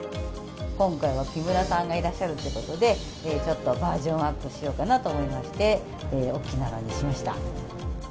今回は木村さんがいらっしゃるっていうことで、ちょっとバージョンアップしようかなと思って、大きなのにしました。